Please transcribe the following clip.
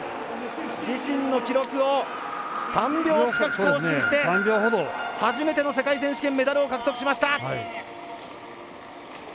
自身の記録を３秒近く更新して初めての世界選手権メダルを獲得しました！